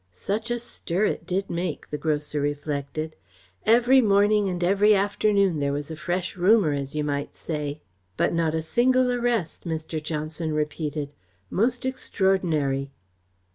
"Such a stir it did make," the grocer reflected. "Every morning and every afternoon there was a fresh rumour, as you might say." "But not a single arrest," Mr. Johnson repeated. "Most extraordinary!"